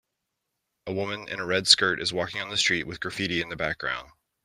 A woman in a red skirt is walking on the street with graffiti in the background.